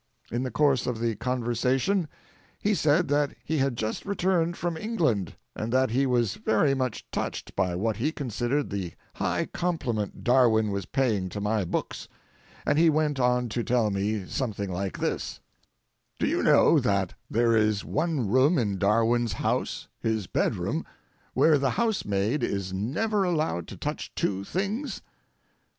In the course of the conversation he said that he had just returned from England, and that he was very much touched by what he considered the high compliment Darwin was paying to my books, and he went on to tell me something like this: "Do you know that there is one room in Darwin's house, his bedroom, where the housemaid is never allowed to touch two things?